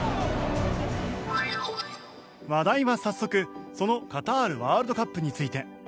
話題は早速そのカタールワールドカップについて。